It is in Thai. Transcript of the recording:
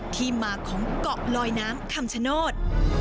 ที่มาของเกาะลอยน้ำคำชโนธ